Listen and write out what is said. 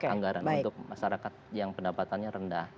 anggaran untuk masyarakat yang pendapatannya rendah